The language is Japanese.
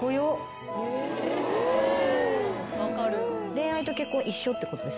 恋愛と結婚は一緒ってことですよね？